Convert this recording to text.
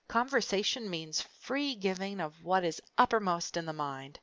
Conversation means free giving of what is uppermost in the mind.